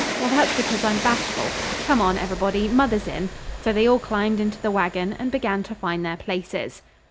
Well, that's because I'm bashful. Come on, everybody, mother's in." So they all climbed into the wagon and began to find their places.